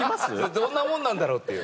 どんなもんなんだろうっていう。